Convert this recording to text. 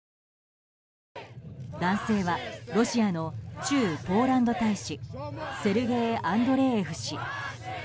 男性はロシアの駐ポーランド大使セルゲイ・アンドレーエフ氏。